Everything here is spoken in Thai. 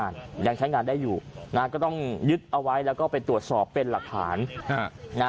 แรกไว้ต้องยึดเอาไว้แล้วก็ไปตรวจสอบเป็นรักฐาน